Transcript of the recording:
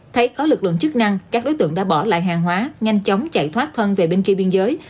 thấy có lực lượng chức năng các đối tượng đã bỏ lại hàng hóa nhanh chóng chạy thoát thân về bên kia biên giới